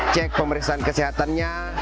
cek pemeriksaan kesehatannya